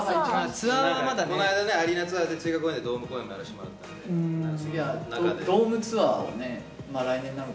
ツアーはまだね、こないだアリーナツアーで追加でドーム公演もやらせてもらったんお？